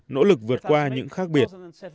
nỗ lực vượt qua những khác biệt